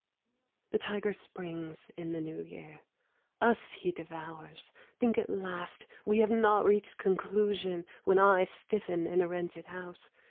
The tiger springs in the new year. Us he devours. Think at last We have not reached conclusion, when I Stiffen in a rented house.